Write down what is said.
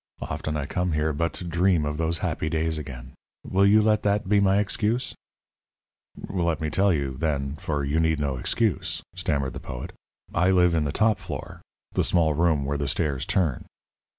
Often I come here but to dream of those happy days again. Will you let that be my excuse?" "Let me tell you, then, for you need no excuse," stammered the poet. "I live in the top floor the small room where the stairs turn."